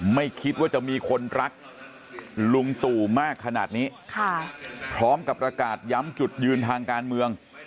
ไม่คิดว่าจะมีคนรักลุงตู่มากขนาดนี้พร้อมกับประกาศย้ำจุดยืนทางการเมือง